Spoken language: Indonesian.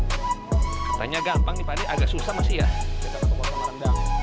katanya gampang padahal agak susah masih ya